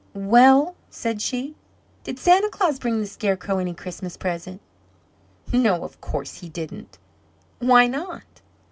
"Well?" said she. "Did Santa Claus bring the Scarecrow any Christmas present?" "No, of course he didn't." "Why not?"